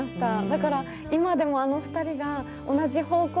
だから、今でもあの２人が同じ方向